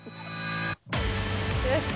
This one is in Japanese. よし。